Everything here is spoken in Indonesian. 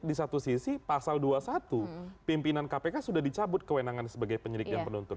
di satu sisi pasal dua puluh satu pimpinan kpk sudah dicabut kewenangan sebagai penyidik dan penuntut